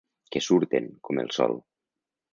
Que surten, com el sol.